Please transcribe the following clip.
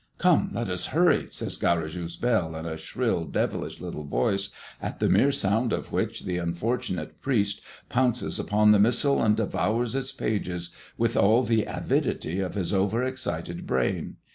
"Come, let us hurry!" says Garrigou's bell, in a shrill, devilish little voice, at the mere sound of which the unfortunate priest pounces upon the missal and devours its pages with all the avidity of his over excited brain.